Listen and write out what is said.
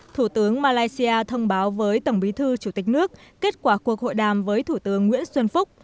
thủ tướng malaysia thông báo với tổng bí thư chủ tịch nước kết quả cuộc hội đàm với thủ tướng nguyễn xuân phúc